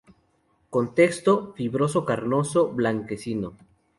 Contexto fibroso-carnoso, blanquecino.